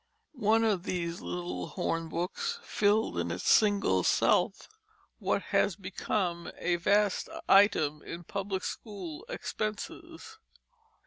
One of these little hornbooks filled in its single self what has become a vast item in public school expenses.